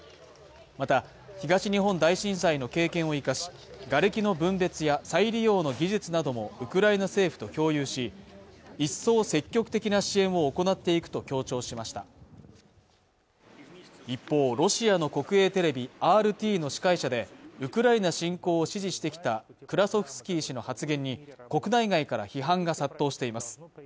また東日本大震災の経験を生かし瓦礫の分別や再利用の技術などもウクライナ政府と共有し一層積極的な支援を行っていくと強調しました一方ロシアの国営テレビＲＴの司会者でウクライナ侵攻を支持してきたクラソフスキー氏の発言に国内外から批判が殺到しています